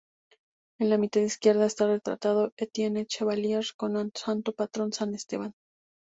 En la mitad izquierda está retratado Étienne Chevalier con su santo patrón, san Esteban.